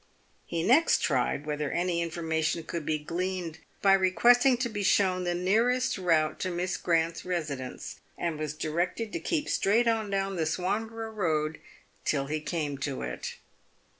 He next tried whether any information could be gleaned by requesting to be shown the nearest route to Miss Grant's residence, and was directed to keep straight on down the Swanborough road till he came to it.